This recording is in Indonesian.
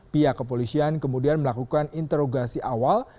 pihak kepolisian kemudian melakukan interogasi awal